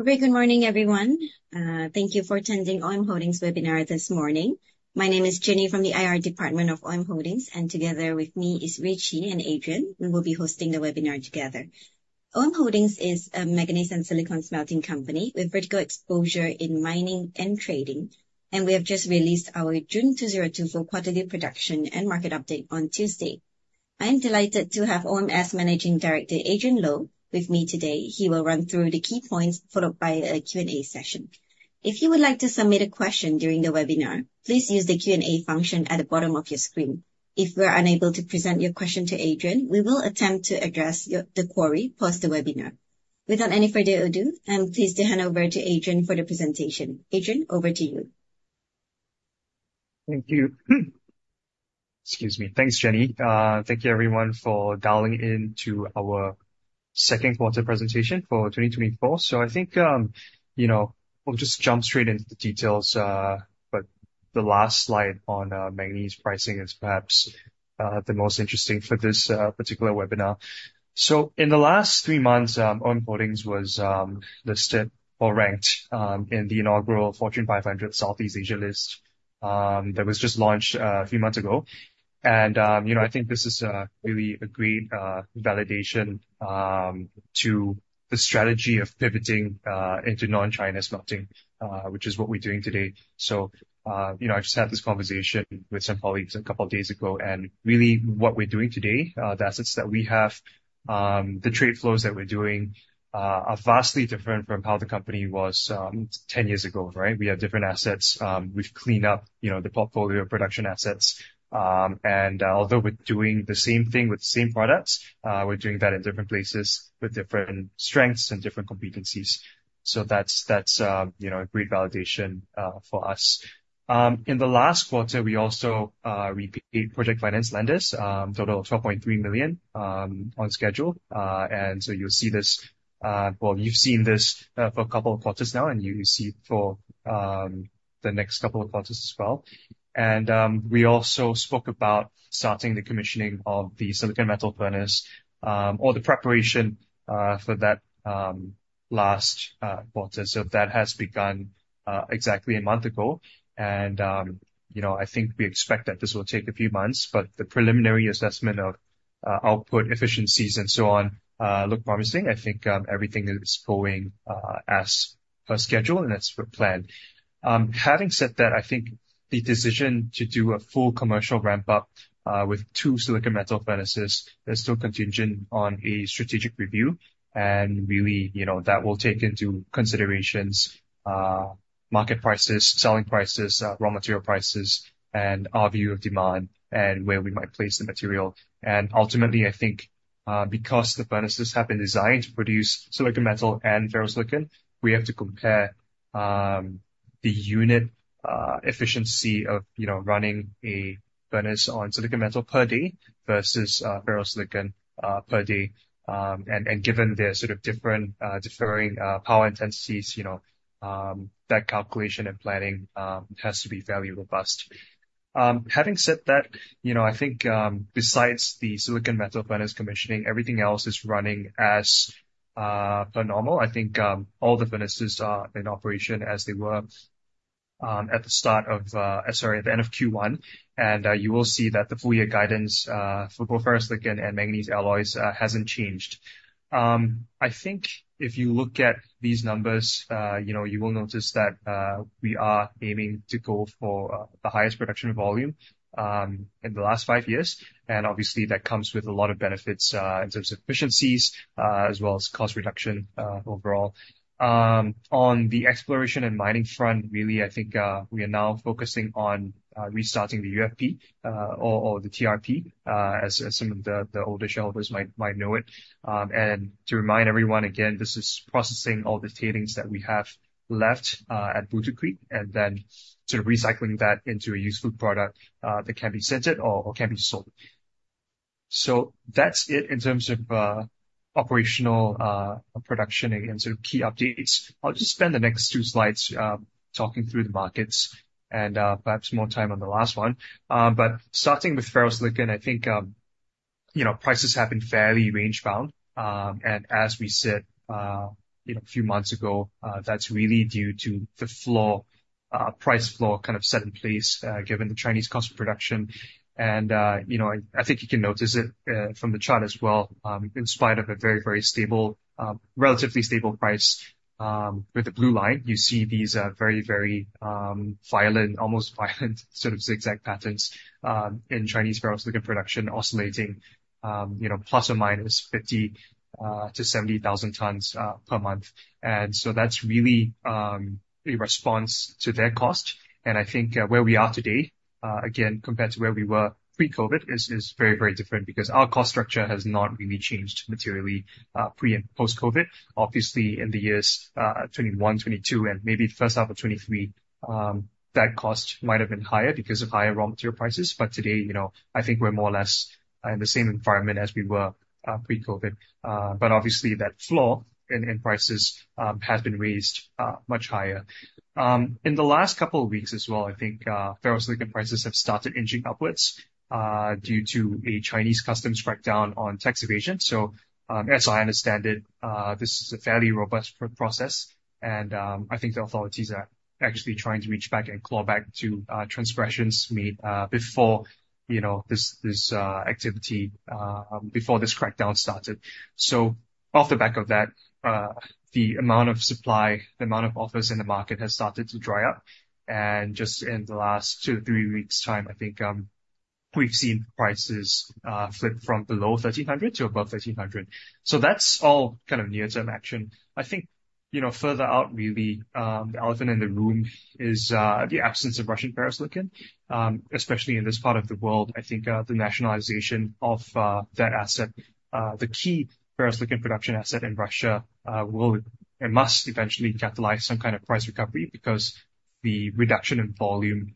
Great. Good morning, everyone. Thank you for attending OM Holdings' webinar this morning. My name is Jenny from the IR Department of OM Holdings, and together with me is Rui Qi and Adrian. We will be hosting the webinar together. OM Holdings is a manganese and silicon smelting company with vertical exposure in mining and trading, and we have just released our June 2024 quarterly production and market update on Tuesday. I am delighted to have OM's Managing Director Adrian Low with me today. He will run through the key points followed by a Q&A session. If you would like to submit a question during the webinar, please use the Q&A function at the bottom of your screen. If you are unable to present your question to Adrian, we will attempt to address the query post the webinar. Without any further ado, I'm pleased to hand over to Adrian for the presentation. Adrian, over to you. Thank you. Excuse me. Thanks, Jenny. Thank you, everyone, for dialing in to our second quarter presentation for 2024. So I think, you know, we'll just jump straight into the details. But the last slide on manganese pricing is perhaps the most interesting for this particular webinar. So in the last three months, OM Holdings was listed or ranked in the inaugural Fortune 500 Southeast Asia list that was just launched a few months ago. And, you know, I think this is really a great validation to the strategy of pivoting into non-China smelting, which is what we're doing today. So, you know, I just had this conversation with some colleagues a couple of days ago, and really what we're doing today, the assets that we have, the trade flows that we're doing, are vastly different from how the company was 10 years ago, right? We have different assets. We've cleaned up, you know, the portfolio of production assets. And, although we're doing the same thing with the same products, we're doing that in different places with different strengths and different competencies. So that's, that's, you know, a great validation for us. In the last quarter, we also repaid project finance lenders a total of $12.3 million on schedule. And so you'll see this, well, you've seen this for a couple of quarters now, and you'll see for the next couple of quarters as well. And we also spoke about starting the commissioning of the silicon metal furnace, or the preparation for that, last quarter. So that has begun exactly a month ago. And, you know, I think we expect that this will take a few months, but the preliminary assessment of output, efficiencies, and so on look promising. I think everything is going as per schedule, and that's planned. Having said that, I think the decision to do a full commercial ramp-up, with two silicon metal furnaces is still contingent on a strategic review. And really, you know, that will take into considerations, market prices, selling prices, raw material prices, and our view of demand and where we might place the material. And ultimately, I think, because the furnaces have been designed to produce silicon metal and ferrosilicon, we have to compare, the unit, efficiency of, you know, running a furnace on silicon metal per day versus, ferrosilicon, per day. And given their sort of different, differing, power intensities, you know, that calculation and planning, has to be fairly robust. Having said that, you know, I think, besides the silicon metal furnace commissioning, everything else is running as per normal. I think all the furnaces are in operation as they were at the start of, sorry, at the end of Q1. And you will see that the four-year guidance for both ferrosilicon and manganese alloys hasn't changed. I think if you look at these numbers, you know, you will notice that we are aiming to go for the highest production volume in the last five years. And obviously that comes with a lot of benefits in terms of efficiencies as well as cost reduction overall. On the exploration and mining front, really, I think we are now focusing on restarting the UFP, or the TRP, as some of the older shareholders might know it. And to remind everyone again, this is processing all the tailings that we have left at Bootu Creek, and then sort of recycling that into a useful product that can be sintered or can be sold. So that's it in terms of operational production and sort of key updates. I'll just spend the next two slides talking through the markets and perhaps more time on the last one. But starting with ferrosilicon, I think, you know, prices have been fairly range-bound. And as we said, you know, a few months ago, that's really due to the floor, price floor kind of set in place, given the Chinese cost of production. And, you know, I think you can notice it from the chart as well. In spite of a very, very stable, relatively stable price, with the blue line, you see these, very, very, violent, almost violent sort of zigzag patterns, in Chinese ferrosilicon production, oscillating, you know, plus or minus 50,000-70,000 tons, per month. And so that's really, a response to their cost. And I think, where we are today, again, compared to where we were pre-COVID is, is very, very different because our cost structure has not really changed materially, pre- and post-COVID. Obviously, in the years 2021, 2022, and maybe the first half of 2023, that cost might have been higher because of higher raw material prices. But today, you know, I think we're more or less in the same environment as we were, pre-COVID. But obviously that floor in, in prices, has been raised, much higher. In the last couple of weeks as well, I think, ferrosilicon prices have started inching upwards, due to a Chinese customs crackdown on tax evasion. So, as I understand it, this is a fairly robust process. And, I think the authorities are actually trying to reach back and claw back transgressions made, before, you know, this, this, activity, before this crackdown started. So off the back of that, the amount of supply, the amount of offers in the market has started to dry up. And just in the last 2-3 weeks' time, I think, we've seen prices, flip from below 1,300 to above 1,300. So that's all kind of near-term action. I think, you know, further out, really, the elephant in the room is, the absence of Russian ferrosilicon, especially in this part of the world. I think, the nationalization of, that asset, the key ferrosilicon production asset in Russia, will and must eventually catalyze some kind of price recovery because the reduction in volume,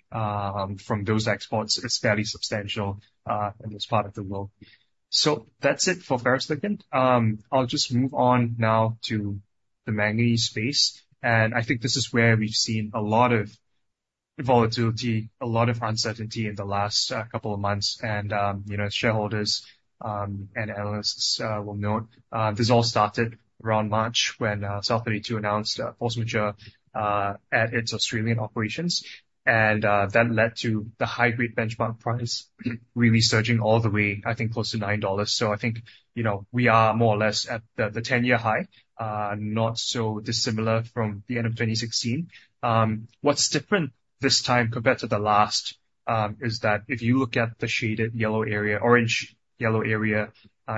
from those exports is fairly substantial, in this part of the world. So that's it for ferrosilicon. I'll just move on now to the manganese space. I think this is where we've seen a lot of volatility, a lot of uncertainty in the last couple of months. You know, shareholders and analysts will note, this all started around March when South32 announced a force majeure at its Australian operations. That led to the high-grade benchmark price really surging all the way, I think, close to $9. So I think, you know, we are more or less at the 10-year high, not so dissimilar from the end of 2016. What's different this time compared to the last is that if you look at the shaded yellow area, orange yellow area,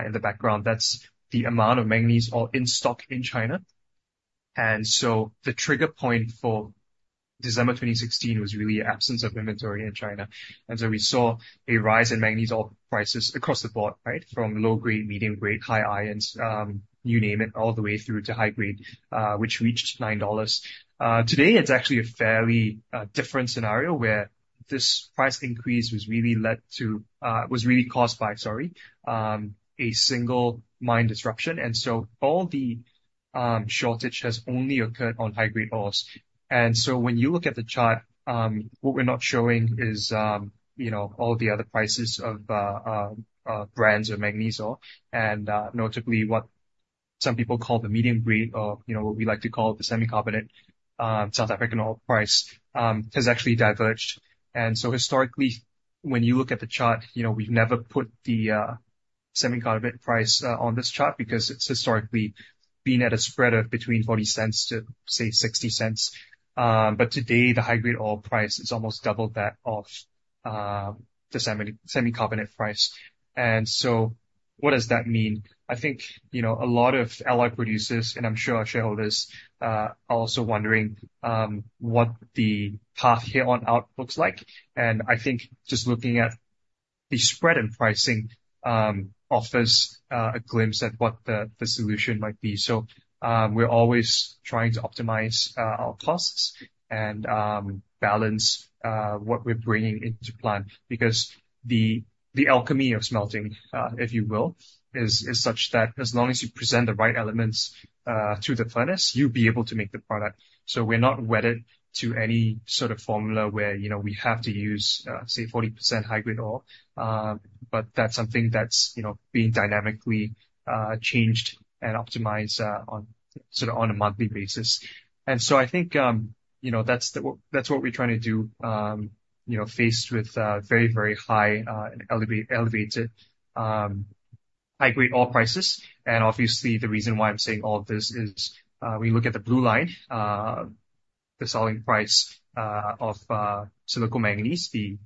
in the background, that's the amount of manganese alloy in stock in China. And so the trigger point for December 2016 was really an absence of inventory in China. And so we saw a rise in manganese ore prices across the board, right? From low-grade, medium-grade, high-iron, you name it, all the way through to high-grade, which reached $9 today. It's actually a fairly different scenario where this price increase was really led to, was really caused by, sorry, a single mine disruption. And so all the shortage has only occurred on high-grade ores. And so when you look at the chart, what we're not showing is, you know, all the other prices of grades of manganese ore. Notably, what some people call the medium-grade or, you know, what we like to call the semi-carbonate, South African ore price, has actually diverged. So historically, when you look at the chart, you know, we've never put the semi-carbonate price on this chart because it's historically been at a spread of between $0.40-$0.60. But today, the high-grade ore price has almost doubled that of the semi-carbonate price. So what does that mean? I think, you know, a lot of alloy producers, and I'm sure our shareholders, are also wondering what the path here on out looks like. And I think just looking at the spread and pricing offers a glimpse at what the solution might be. So, we're always trying to optimize our costs and balance what we're bringing into the plant because the alchemy of smelting, if you will, is such that as long as you present the right elements to the furnace, you'll be able to make the product. So we're not wedded to any sort of formula where, you know, we have to use, say, 40% high-grade ore, but that's something that's, you know, being dynamically changed and optimized on sort of a monthly basis. And so I think, you know, that's what we're trying to do, you know, faced with very high and elevated high-grade ore prices. Obviously, the reason why I'm saying all of this is, we look at the blue line, the selling price, of silicomanganese, the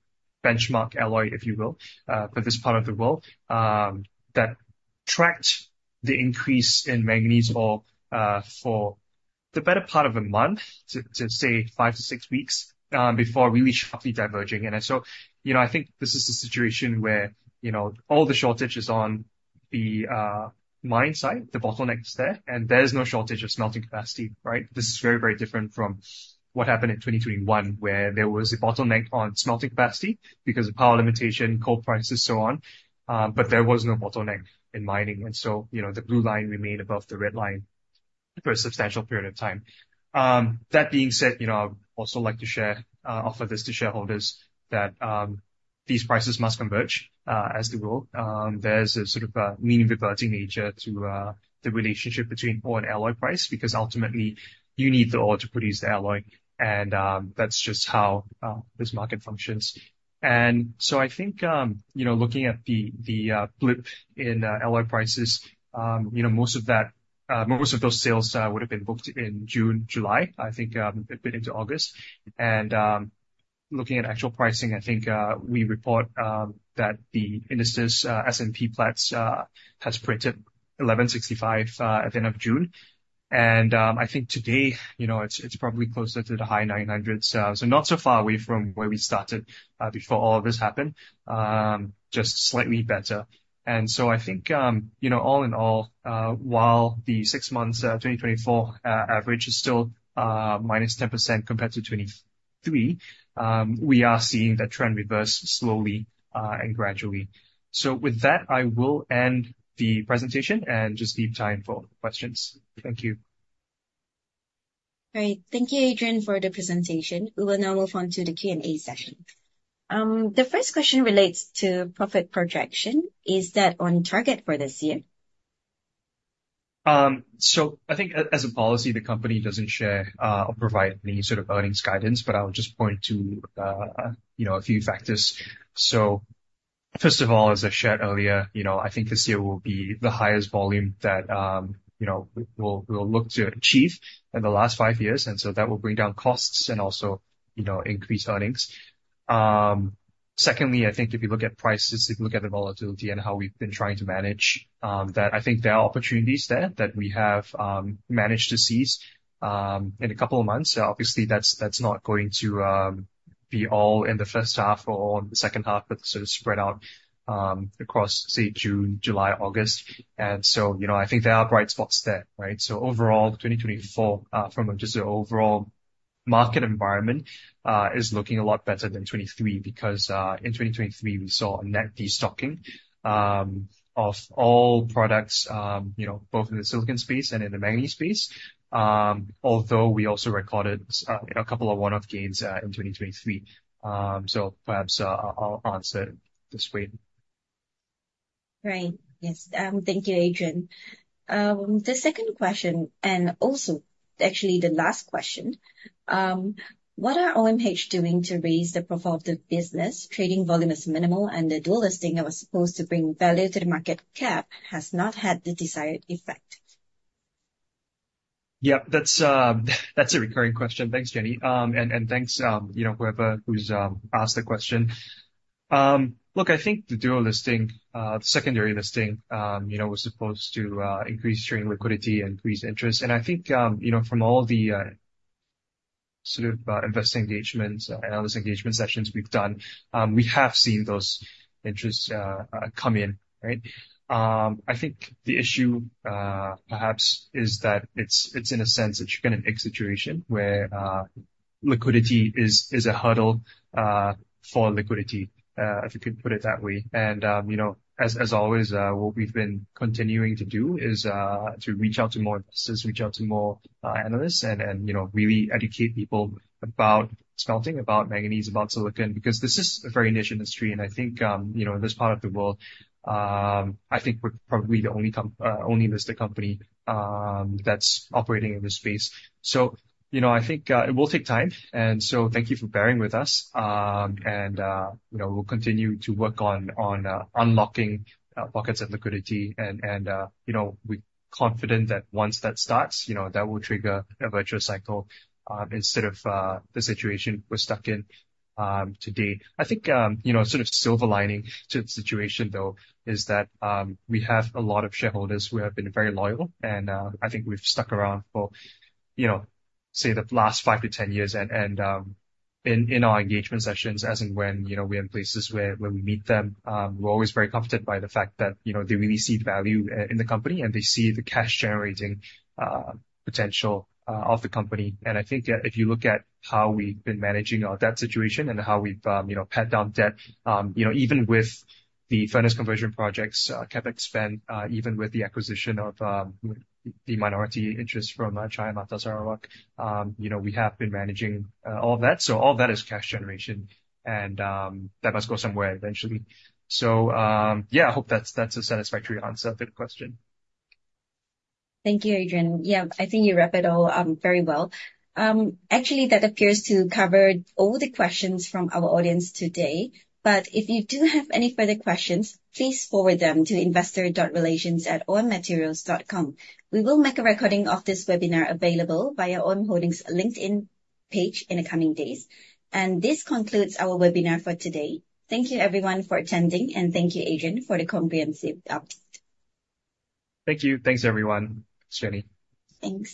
benchmark alloy, if you will, for this part of the world, that tracked the increase in manganese ore, for the better part of a month, to, to say, 5-6 weeks, before really sharply diverging. And so, you know, I think this is the situation where, you know, all the shortage is on the mine side, the bottlenecks there, and there's no shortage of smelting capacity, right? This is very, very different from what happened in 2021, where there was a bottleneck on smelting capacity because of power limitation, coal prices, so on. But there was no bottleneck in mining. And so, you know, the blue line remained above the red line for a substantial period of time. That being said, you know, I'd also like to share, offer this to shareholders that, these prices must converge, as they will. There's a sort of a mean-reverting nature to, the relationship between ore and alloy price because ultimately you need the ore to produce the alloy. And, that's just how, this market functions. And so I think, you know, looking at the, the, blip in, alloy prices, you know, most of that, most of those sales, would have been booked in June, July, I think, a bit into August. And, looking at actual pricing, I think, we report, that the index's S&P Platts, has printed 1,165, at the end of June. And, I think today, you know, it's, it's probably closer to the high 900s. So not so far away from where we started, before all of this happened, just slightly better. So I think, you know, all in all, while the six months 2024 average is still -10% compared to 2023, we are seeing that trend reverse slowly and gradually. With that, I will end the presentation and just leave time for questions. Thank you. All right. Thank you, Adrian, for the presentation. We will now move on to the Q&A session. The first question relates to profit projection. Is that on target for this year? I think as a policy, the company doesn't share or provide any sort of earnings guidance, but I'll just point to, you know, a few factors. So first of all, as I shared earlier, you know, I think this year will be the highest volume that, you know, we'll look to achieve in the last five years. And so that will bring down costs and also, you know, increase earnings. Secondly, I think if you look at prices, if you look at the volatility and how we've been trying to manage that, I think there are opportunities there that we have managed to seize in a couple of months. So obviously that's not going to be all in the first half or all in the second half, but sort of spread out across, say, June, July, August. And so, you know, I think there are bright spots there, right? So overall, 2024, from just the overall market environment, is looking a lot better than 2023 because, in 2023, we saw a net destocking of all products, you know, both in the silicon space and in the manganese space, although we also recorded a couple of one-off gains in 2023. So perhaps, I'll answer this way. Right. Yes. Thank you, Adrian. The second question, and also actually the last question, what are OMH doing to raise the profile of the business? Trading volume is minimal and the dual listing that was supposed to bring value to the market cap has not had the desired effect. Yep, that's a recurring question. Thanks, Jenny. And thanks, you know, whoever who's asked the question. Look, I think the dual listing, the secondary listing, you know, was supposed to increase trading liquidity and increase interest. And I think, you know, from all the sort of investing engagements, analyst engagement sessions we've done, we have seen those interests come in, right? I think the issue, perhaps is that it's in a sense, it's kind of a mixed situation where liquidity is a hurdle for liquidity, if you could put it that way. And, you know, as always, what we've been continuing to do is to reach out to more investors, reach out to more analysts and, you know, really educate people about smelting, about manganese, about silicon, because this is a very niche industry. I think, you know, in this part of the world, I think we're probably the only comp, only listed company, that's operating in this space. So, you know, I think it will take time. And so thank you for bearing with us. And, you know, we'll continue to work on unlocking pockets of liquidity and, you know, we're confident that once that starts, you know, that will trigger a virtual cycle, instead of the situation we're stuck in today. I think, you know, sort of silver lining to the situation though is that, we have a lot of shareholders who have been very loyal and, I think we've stuck around for, you know, say the last 5-10 years and, in our engagement sessions as and when, you know, we're in places where we meet them, we're always very comforted by the fact that, you know, they really see value in the company and they see the cash generating, potential, of the company. I think if you look at how we've been managing our debt situation and how we've, you know, paid down debt, you know, even with the furnace conversion projects, CapEx spend, even with the acquisition of, the minority interest from, Cahya Mata Sarawak, you know, we have been managing, all of that. So all of that is cash generation and, that must go somewhere eventually. So, yeah, I hope that's, that's a satisfactory answer to the question. Thank you, Adrian. Yeah, I think you wrap it all, very well. Actually, that appears to cover all the questions from our audience today, but if you do have any further questions, please forward them to investor.relations@ommaterials.com. We will make a recording of this webinar available via OM Holdings' LinkedIn page in the coming days. This concludes our webinar for today. Thank you everyone for attending and thank you, Adrian, for the comprehensive update. Thank you. Thanks everyone. Thanks, Jenny. Thanks.